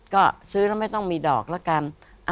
ก็ซื้อแล้วไม่ต้องมีดอกละกัน